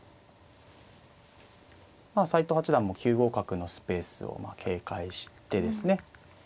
斎藤八段も９五角のスペースをまあ警戒してですね